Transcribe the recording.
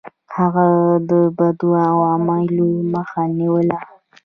هغه د بدو عواملو مخه نیوله.